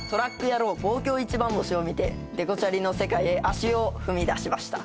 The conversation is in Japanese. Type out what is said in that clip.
野郎望郷一番星」を見てデコチャリの世界へ足を踏みだしました